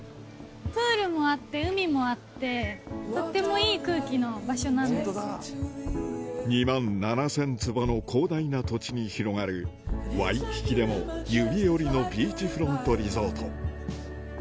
プールもあって、海もあって、２万７０００坪の広大な土地に広がる、ワイキキでも指折りのビーチフロントリゾート。